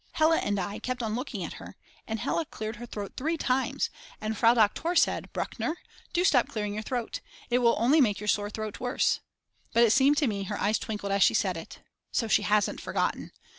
Hella and I kept on looking at her and Hella cleared her throat three times and Frau Doktor said: Bruckner, do stop clearing your throat; it will only make your sore throat worse: But it seemed to me her eyes twinkled as she said it. So she hasn't forgotten.